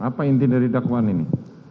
apa inti dari dakwaan ini